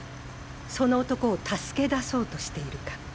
その男を助け出そうとしているか。